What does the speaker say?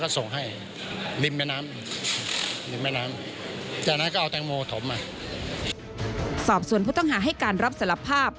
สอบสวนผู้ต้องหาให้การรับสารภาพ